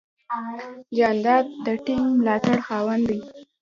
جانداد د ټینګ ملاتړ خاوند دی.